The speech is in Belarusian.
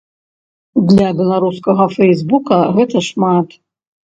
Для беларускага фэйсбука гэта шмат.